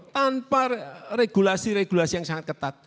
tanpa regulasi regulasi yang sangat ketat